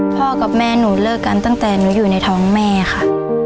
พ่อกับแม่หนูเลิกกันตั้งแต่หนูอยู่ในท้องแม่ค่ะ